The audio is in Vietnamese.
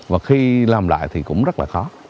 và khi làm lại thì cũng rất là khó